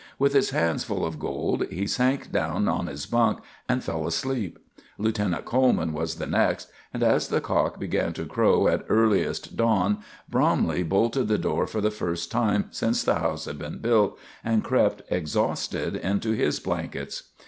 With his hands full of gold, he sank down on his bunk and fell asleep. Lieutenant Coleman was the next; and as the cock began to crow at earliest dawn, Bromley bolted the door for the first time since the house had been built, and crept exhausted into his blankets.